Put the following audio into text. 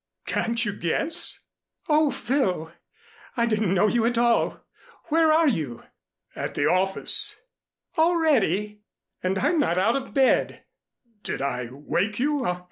"Can't you guess?" "Oh, Phil! I didn't know you at all. Where are you?" "At the office." "Already! And I'm not out of bed!" "Did I wake you?